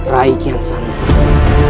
rai kian santang